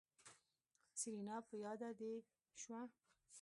سېرېنا په ياده دې شوه.